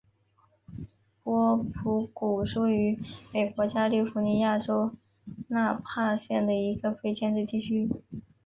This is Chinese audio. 波普谷是位于美国加利福尼亚州纳帕县的一个非建制地区。